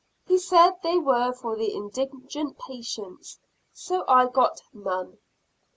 He said they were for the indigent patients, so I got none.